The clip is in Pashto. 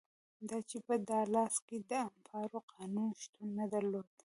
دا چې په دالاس کې د امپارو قانون شتون نه درلود.